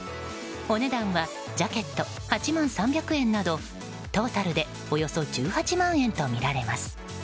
お値段はジャケット８万３００円などトータルでおよそ１８万円とみられます。